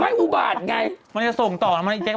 ไม่อุบัติไง